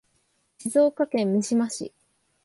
静岡県三島市